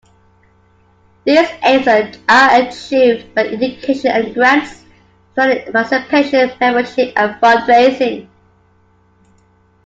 These aims are achieved by education and grants, planning participation, membership and fundraising.